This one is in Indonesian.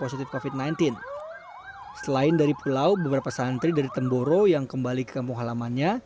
selain dari pulau beberapa santri dari temboro yang kembali ke kampung halamannya